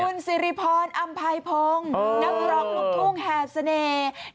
คุณสิริพรอำไพพงศ์นักร้องลูกทุ่งแห่เสน่ห์